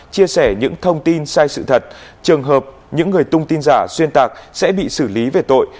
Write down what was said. chia sẻ những thông tin sai sự thật trường hợp những người tung tin giả xuyên tạc sẽ bị xử lý về tội